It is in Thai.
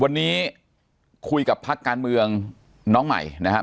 วันนี้คุยกับพักการเมืองน้องใหม่นะครับ